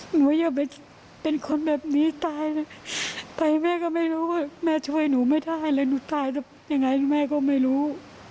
อย่าไปเป็นคนแบบนี้ตายนะตายแม่ก็ไม่รู้ว่าแม่ช่วยหนูไม่ได้เลยหนูตายยังไงแม่ก็ไม่รู้